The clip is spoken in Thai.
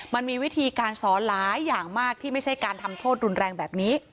มันมีวิธีการสอนหลายอย่างมากที่ไม่ใช่การทำโทษรุนแรงแบบนี้